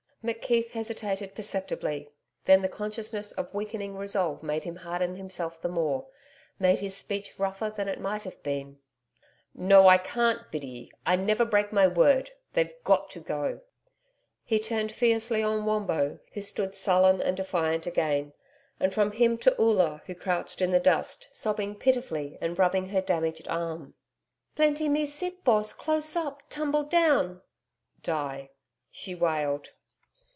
McKeith hesitated perceptibly, then the consciousness of weakening resolve made him harden himself the more, made his speech rougher than it might have been. 'No, I can't, Biddy. I never break my word. They've GOT to go.' He turned fiercely on Wombo, who stood sullen and defiant again, and from him to Oola, who crouched in the dust, sobbing pitifully and rubbing her damaged arm. 'Plenty me sick, Boss close up TUMBLEDOWN' (die), she wailed.